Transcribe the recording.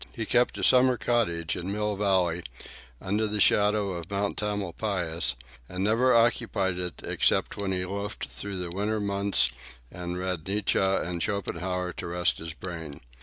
He kept a summer cottage in Mill Valley, under the shadow of Mount Tamalpais, and never occupied it except when he loafed through the winter months and read Nietzsche and Schopenhauer to rest his brain.